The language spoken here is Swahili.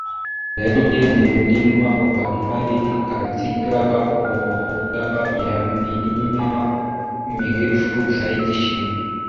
Jaeger ni mlima wa nane katika orodha ya milima mirefu zaidi nchini